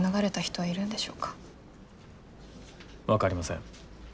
分かりません。